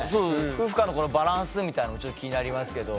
夫婦間のバランスみたいなのちょっと気になりますけど。